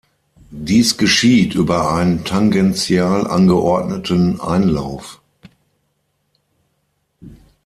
Dies geschieht über einen tangential angeordneten Einlauf.